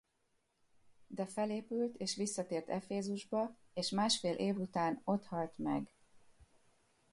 De felépült és visszatért Efezusba és másfél év után ott halt meg.